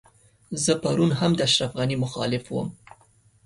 زه پرون هم د اشرف غني مخالف وم.